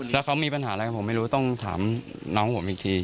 แล้วเขามีปัญหาอะไรกับผมไม่รู้ต้องถามน้องผมอีกที